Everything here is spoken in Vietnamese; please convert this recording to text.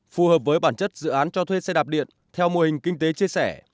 phù hợp với bản chất dự án cho thuê xe đạp điện theo mô hình kinh tế chia sẻ